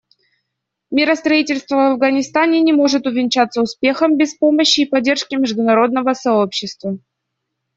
Миростроительство в Афганистане не может увенчаться успехом без помощи и поддержки международного сообщества.